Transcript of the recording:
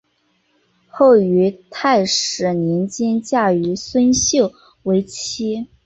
后于泰始年间嫁于孙秀为妻。